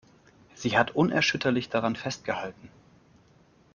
Sie hat unerschütterlich daran festgehalten.